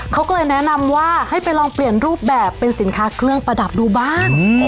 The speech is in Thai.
เขาก็เลยแนะนำว่าให้ไปลองเปลี่ยนรูปแบบเป็นสินค้าเครื่องประดับดูบ้าง